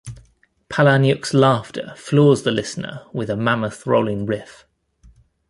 'Palahniuk's Laughter' floors the listener with a mammoth-rolling riff.